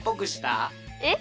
えっ？